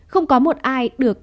không có một ai được